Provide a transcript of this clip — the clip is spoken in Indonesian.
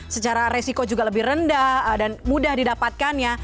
secara resiko juga lebih rendah dan mudah didapatkannya